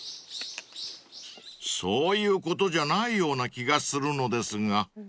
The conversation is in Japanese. ［そういうことじゃないような気がするのですが］